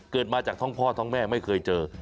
เกิดมาจากท้องพ่อท้องแม่ไม่เคยเจอ